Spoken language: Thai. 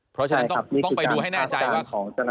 เพราะฉะนั้นต้องไปดูให้แน่ใจว่า